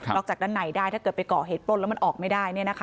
จากด้านในได้ถ้าเกิดไปก่อเหตุปล้นแล้วมันออกไม่ได้